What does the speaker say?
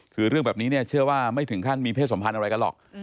คือเรื่องแบบนี้เนี่ยเชื่อว่าไม่ถึงขั้นมีเพศสมพันธ์อะไรกันหรอก